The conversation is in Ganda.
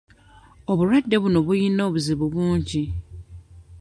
Obulwadde buno buyina obuzibu bungi.